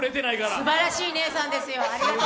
すばらしい姉さんですよ。